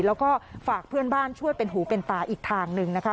แล้วก็ฝากเพื่อนบ้านช่วยเป็นหูเป็นตาอีกทางหนึ่งนะคะ